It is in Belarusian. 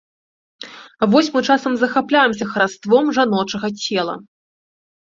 Вось мы часам захапляемся хараством жаночага цела.